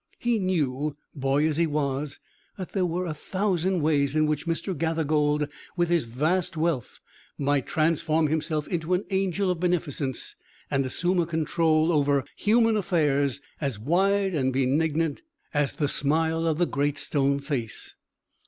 He knew, boy as he was, that there were a thousand ways in which Mr. Gathergold, with his vast wealth, might transform himself into an angel of beneficence, and assume a control over human affairs as wide and benignant as the smile of the Great Stone Face.